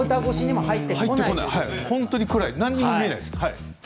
本当に暗い、何も見えないです。